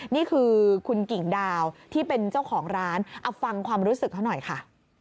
นี่คือคุณกิ่งดาวที่เป็นเจ้าของร้านเอาฟังความรู้สึกเขาหน่อยค่ะ